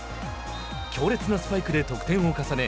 強烈なスパイクで得点を重ね